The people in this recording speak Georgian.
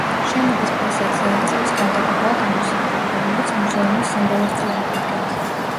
შენობის ფასადზე არწივის ქანდაკებაა გამოსახული, რომელიც მუზეუმის სიმბოლოს წარმოადგენს.